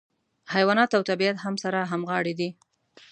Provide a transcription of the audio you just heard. حیوانات او طبیعت هم سره همغاړي دي.